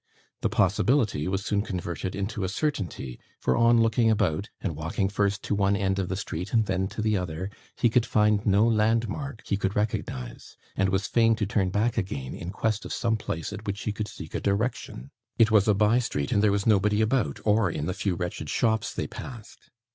The possibility was soon converted into a certainty; for, on looking about, and walking first to one end of the street and then to the other, he could find no landmark he could recognise, and was fain to turn back again in quest of some place at which he could seek a direction. It was a by street, and there was nobody about, or in the few wretched shops they passed.